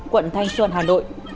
quận thanh xuân hà nội